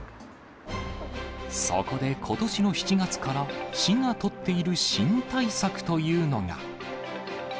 そこでことしの７月から、市が取っている新対策というのが。